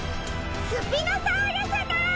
スピノサウルスだ！